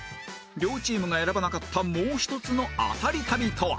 両チームが選ばなかったもう一つのアタリ旅とは？